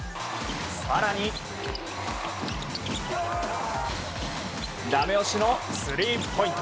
更にダメ押しのスリーポイント！